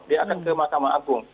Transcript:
dia akan ke mahkamah agung